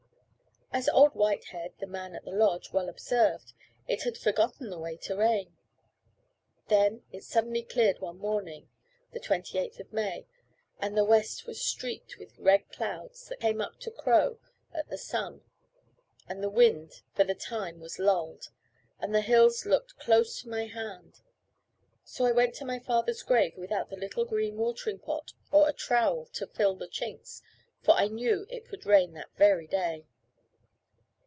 As old Whitehead, the man at the lodge, well observed, it had "forgotten the way to rain." Then it suddenly cleared one morning (the 28th of May), and the west was streaked with red clouds, that came up to crow at the sun, and the wind for the time was lulled, and the hills looked close to my hand. So I went to my father's grave without the little green watering pot or a trowel to fill the chinks, for I knew it would rain that very day.